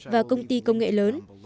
và công ty công nghệ lớn